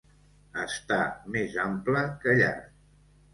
Estar més ample que llarg.